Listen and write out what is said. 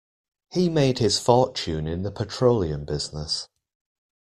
He made his fortune in the petroleum business.